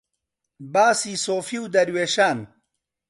باسی سۆفی و دەروێشان